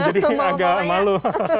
jadi agak malu